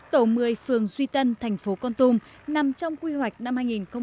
tổ một mươi phường duy tân thành phố con tùng nằm trong quy hoạch năm hai nghìn bảy